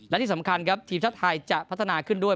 และที่สำคัญครับทีมชาติไทยจะพัฒนาขึ้นด้วย